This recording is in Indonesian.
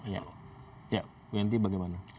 ya ya wenty bagaimana